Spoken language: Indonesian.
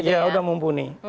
sudah mumpuni gitu ya